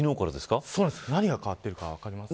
何が変わっているか分かりますか。